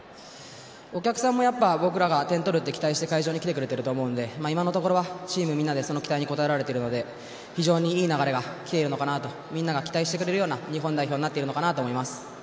お客さんも僕らが点を取ると期待して会場に来てくれてると思うので今のところは、チームみんなでその期待に応えられているので非常にいい流れが来ているとみんなが期待してくれるような日本代表になってるのかなと思います。